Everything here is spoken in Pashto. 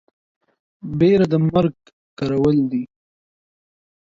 بيره د مرگ کرول دي.